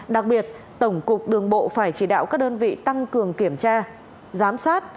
đặc biệt tổng cục đường bộ phải chỉ đạo các đơn vị tăng cường kiểm tra giám sát